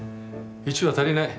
１羽足りない。